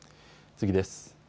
次です。